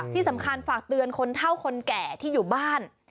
ที่สำคัญฝากเตือนคนเท่าคนแก่ที่อยู่บ้าน